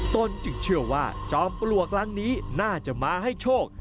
ตนจึงเชื่อว่าจอมปลวกหลังนี้น่าจะมาให้โชค